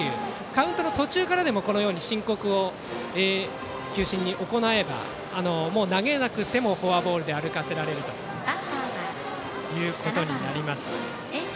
カウントの途中からでも申告を球審に行えばもう投げなくてもフォアボールで歩かせられることになります。